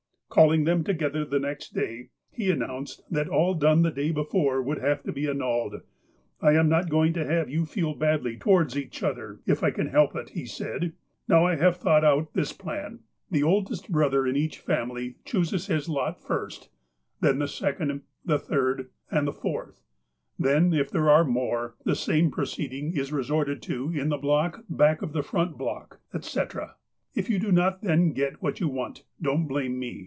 Calling them together the next day, he announced that all done the day before would have to be annulled. ''I am not going to have you feel badly towards each other, if I can help it," he said. "Now I have thought out I THE PIONEERS 301 this plan : The oldest brother in each family chooses his lot first, then the second, the third, and the fourth. Then, if there are more, the same proceeding is resorted to in the block back of the front block, etc. If you do not then get what you want, don' t blame me.